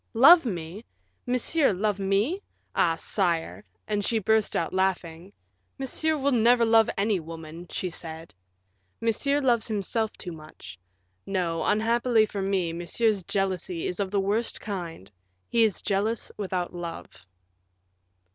"Love me! Monsieur love me! Ah! sire," and she burst out laughing. "Monsieur will never love any woman," she said; "Monsieur loves himself too much; no, unhappily for me, Monsieur's jealousy is of the worst kind he is jealous without love."